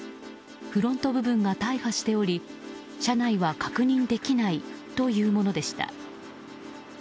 フロント部分が大破しており車内は確認できないというものでした。